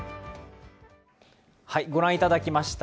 ご覧いただきました